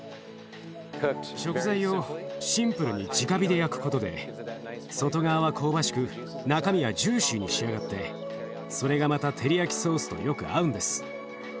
食材をシンプルにじか火で焼くことで外側は香ばしく中身はジューシーに仕上がってそれがまたテリヤキソースとよく合うんです。